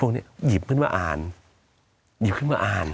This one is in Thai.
พวกนี้หยิบขึ้นข้าอ่าน